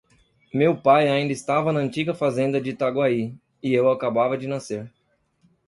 meu pai ainda estava na antiga fazenda de Itaguaí, e eu acabava de nascer.